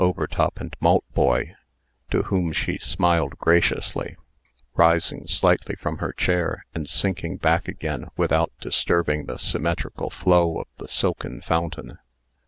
Overtop and Maltboy, to whom she smiled graciously, rising slightly from her chair, and sinking back again, without disturbing the symmetrical flow of the silken fountain.